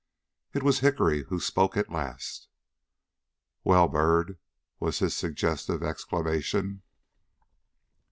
It was Hickory who spoke at last. "Well, Byrd?" was his suggestive exclamation.